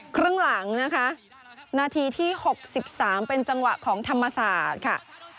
ครึ่งหลังนะคะนาทีที่๖๓เป็นจังหวะของธรรมศาสตร์ค่ะ